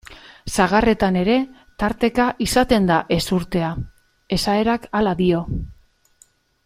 Sagarretan ere tarteka izaten da ezurtea, esaerak hala dio.